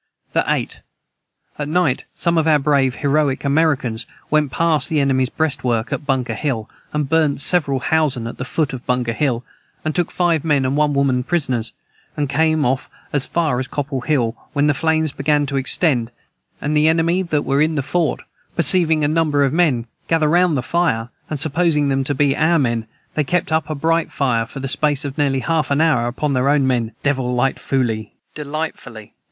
the 8. At night some of our brave heroick Americans went Past the Enemys Brest Work at Bunker hill and burnt several housen at the foot of Bunker hill and took 5 men and 1 woman Prisoners and came of as far as copple hill when the flames began to extend and the enemy that were in the fort perceiving a number of men gather round the fire & suposing them to be our men they kept up a bright fire for the space of near half an hour upon their own men devillightfooly they.... [Footnote 201: Delightfully.